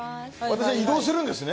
私は移動するんですね。